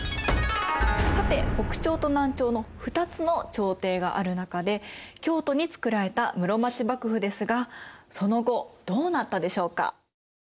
さて北朝と南朝の二つの朝廷がある中で京都につくられた室町幕府ですがその後どうなったでしょうか？